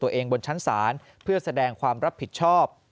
บนชั้นศาลเพื่อแสดงความรับผิดชอบ